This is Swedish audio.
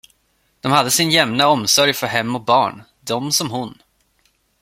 De hade sin jämna omsorg för hem och barn, de som hon.